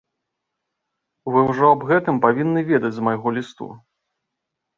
Вы ўжо аб гэтым павінны ведаць з майго лісту.